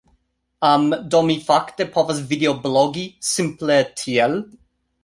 Um, do mi fakte povas videoblogi simple tiel.